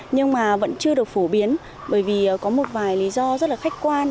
nhưng mà vẫn chưa được phổ biến bởi vì có một vài lý do rất là khách quan